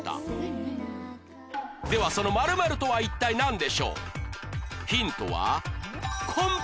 ではその○○とは一体なんでしょう？